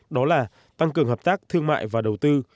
đó là tăng cường hợp tác thương mại và đầu tư